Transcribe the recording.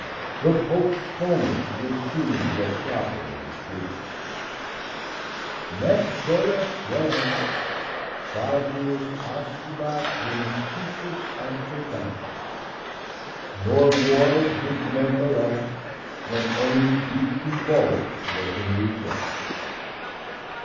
The Pope's Homers would soon get properly distributed.— "Nec bella fuerunt, Faginus astabat dum scyphus ante dapes." "Nor wars did men molest, When only beechen bowls were in request."